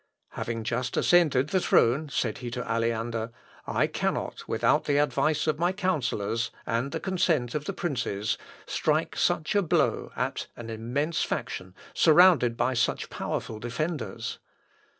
"Having just ascended the throne," said he to Aleander, "I cannot, without the advice of my counsellors, and the consent of the princes, strike such a blow at an immense faction, surrounded by such powerful defenders.